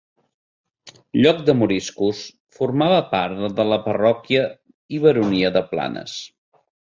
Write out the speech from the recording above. Lloc de moriscos, formava part de la parròquia i baronia de Planes.